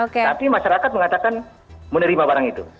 tapi masyarakat mengatakan menerima barang itu